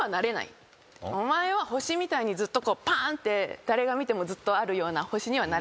お前は星みたいにずっとパンって誰が見てもずっとあるような星にはなれない。